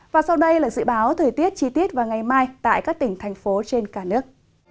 và sau đây là dự báo thời tiết chi tiết vào ngày mai tại các tỉnh thành phố trên cả nước